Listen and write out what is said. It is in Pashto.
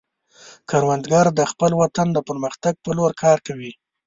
کروندګر د خپل وطن د پرمختګ په لور کار کوي